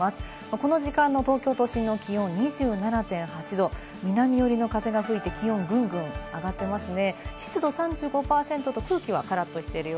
この時間の東京都心の気温２７．８度、南よりの風が吹いて気温、ぐんぐん上がってますね。